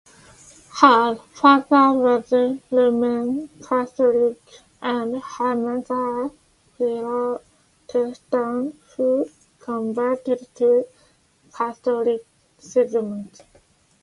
Her father was Roman Catholic and her mother a Protestant who converted to Catholicism.